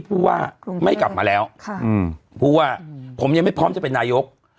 ผู้ว่าไม่กลับมาแล้วผู้ว่าผมยังไม่พร้อมจะเป็นนายก